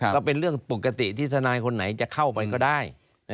ก็เป็นเรื่องปกติที่ทนายคนไหนจะเข้าไปก็ได้